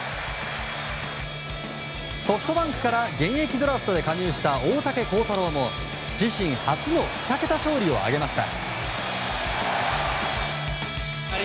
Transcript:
ソフトバンクから現役ドラフトで加入した大竹耕太郎も自身初の２桁勝利を挙げました。